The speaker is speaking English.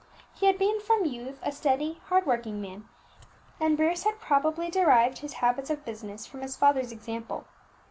He had been from youth a steady hard working man, and Bruce had probably derived his habits of business from his father's example.